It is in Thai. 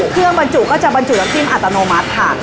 บรรจุก็จะบรรจุน้ำจิ้มอัตโนมัติค่ะ